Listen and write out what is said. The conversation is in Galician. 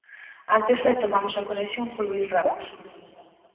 Antes retomamos a conexión con Luís Ramos.